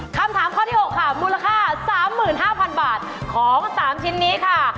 คำถามข้อที่๖ค่ะมูลค่า๓๕๐๐๐บาทของ๓ชิ้นนี้ค่ะ